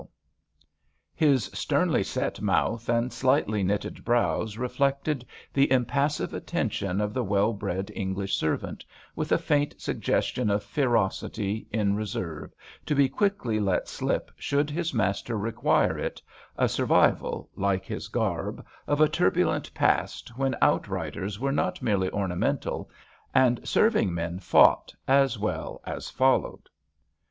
HAMPSHIRE VIGNETTES His sternly set mouth and slightly knitted brows reflected the impassive attention of the well bred English servant, with a faint suggestion of ferocity in reserve, to be quickly let slip should his master require it, a survival, like his garb, of a turbulent past when outriders were not merely orna mental, and serving men fought as well as followed.